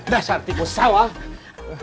dasar tikus sawah